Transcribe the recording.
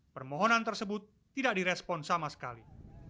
permohonan tersebut tidak direspon sama sekali